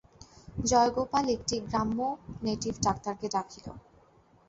জয়গোপাল এক গ্রাম্য নেটিভ ডাক্তারকে ডাকিল।